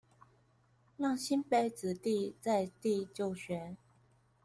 讓新北子弟在地就學